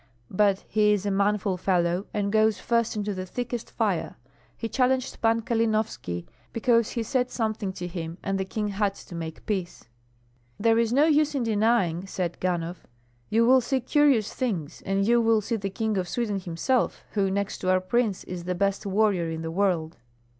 But he is a manful fellow, and goes first into the thickest fire. He challenged Pan Kalinovski because he said something to him, and the king had to make peace." "There is no use in denying," said Ganhoff. "You will see curious things, and you will see the King of Sweden himself, who next to our prince is the best warrior in the world."